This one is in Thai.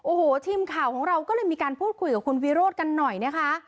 โอ้โหทีมข่าวของเราก็เลยมีการพูดคุยกับคุณวิโรธกันหน่อยนะคะ